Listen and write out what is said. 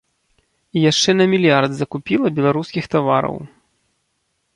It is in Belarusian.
І яшчэ на мільярд закупіла беларускіх тавараў.